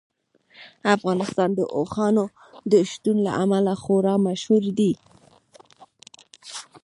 افغانستان د اوښانو د شتون له امله خورا مشهور دی.